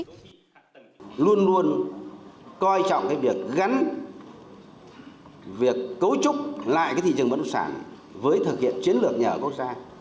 chúng tôi coi trọng việc gắn việc cấu trúc lại thị trường bất động sản với thực hiện chiến lược nhà ở quốc gia